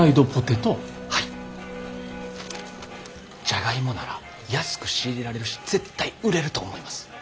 ジャガイモなら安く仕入れられるし絶対売れると思います。